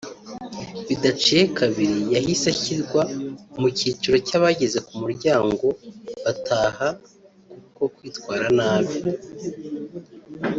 Bidaciye kabiri yahise ashyirwa mu cyiciro cy’abageze ku muryango bataha ku bwo kwitwara nabi